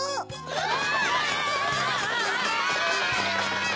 うわ！